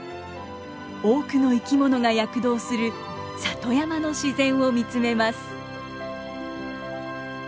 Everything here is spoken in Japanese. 多くの生き物が躍動する里山の自然を見つめます。